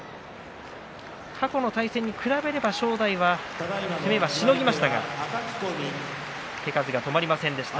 過去の対戦に比べれば正代は攻めはしのぎましたが手数が止まりませんでした